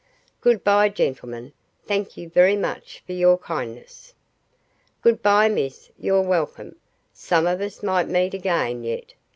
"Good bye, gentlemen; thank you very much for your kindness." "Good bye, miss; you're welcome. Some of us might meet again yet.